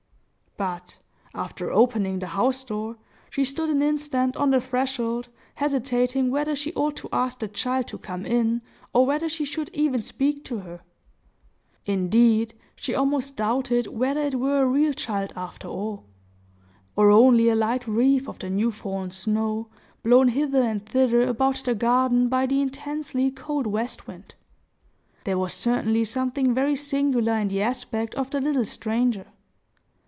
But, after opening the house door, she stood an instant on the threshold, hesitating whether she ought to ask the child to come in, or whether she should even speak to her. Indeed, she almost doubted whether it were a real child after all, or only a light wreath of the new fallen snow, blown hither and thither about the garden by the intensely cold west wind. There was certainly something very singular in the aspect of the little stranger.